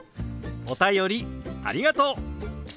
お便りありがとう！